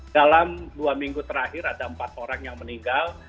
dalam dua minggu terakhir ada empat orang yang meninggal